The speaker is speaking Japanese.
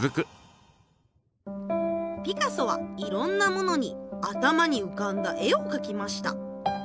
ピカソはいろんなものに頭にうかんだ絵をかきました。